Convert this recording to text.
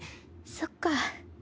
そっか。